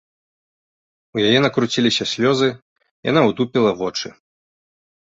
У яе накруціліся слёзы, яна ўтупіла вочы.